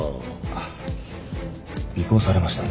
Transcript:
あっ尾行されましたね。